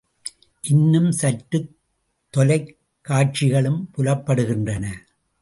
இன்னும் சற்றுத் தொலைக்காட்சிகளும் புலப்படுகின்றன.